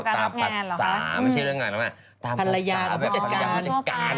ตามภาษาไม่ใช่เรื่องงานล่ะภาพภาพภาซเหมือนกัน